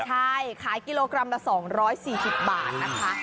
ใช่ขายกิโลกรัมละ๒๔๐บาทนะคะ